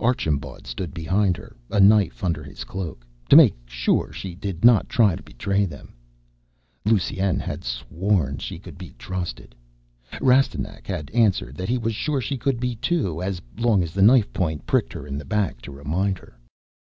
Archambaud stood behind her, a knife under his cloak, to make sure she did not try to betray them. Lusine had sworn she could be trusted. Rastignac had answered that he was sure she could be, too, as long as the knife point pricked her back to remind her.